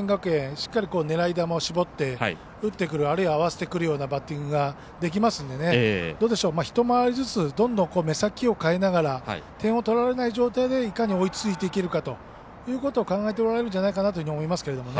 しっかり狙い球を絞って打ってくる、あるいは合わせてくるようなバッティングができますので、どうでしょう一回りずつどんどん目先を変えながら点を取られない状態でいかに追いついていけるかということを考えておられるんじゃないかなというふうに思いますけどね。